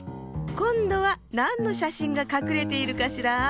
こんどはなんのしゃしんがかくれているかしら？